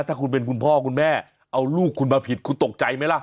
ถ้าคุณเป็นคุณพ่อคุณแม่เอาลูกคุณมาผิดคุณตกใจไหมล่ะ